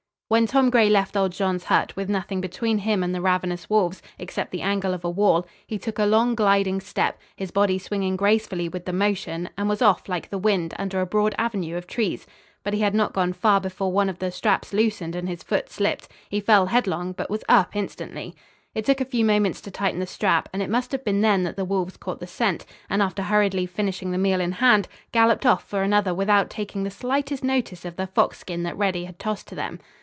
When Tom Gray left old Jean's hut, with nothing between him and the ravenous wolves, except the angle of a wall, he took a long, gliding step, his body swinging gracefully with the motion, and was off like the wind, under a broad avenue of trees. But he had not gone far before one of the straps loosened and his foot slipped. He fell headlong, but was up instantly. It took a few moments to tighten the strap, and it must have been then that the wolves caught the scent, and after hurriedly finishing the meal in hand, galloped off for another without taking the slightest notice of the fox skin that Reddy had tossed to them.